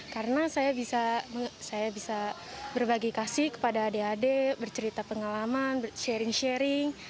karena saya bisa berbagi kasih kepada adik adik bercerita pengalaman sharing sharing